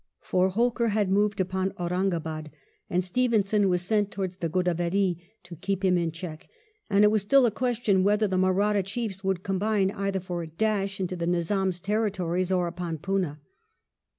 For Holkar had moved upon Aurunga bad, and Stevenson was sent towards the Godavery to keep him in check, and it was still a question whether the Mahratta chiefs would combine either for a dash into the Nizam's territories or upon Poona.